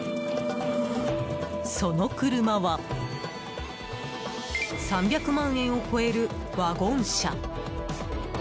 その車は３００万円を超えるワゴン車。